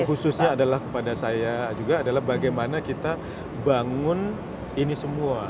khususnya adalah kepada saya juga adalah bagaimana kita bangun ini semua